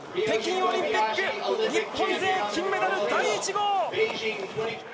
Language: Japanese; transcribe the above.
北京オリンピック、日本勢、金メダル第１号。